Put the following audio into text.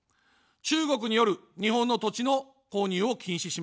中国による日本の土地の購入を禁止します。